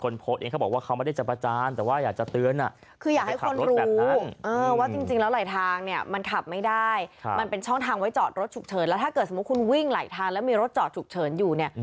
แล้วถ้าเกิดสมมุติว่าคุณวิ่งไหลทานแล้วมีรถจอฉุกเฉินอยู่เนี่ย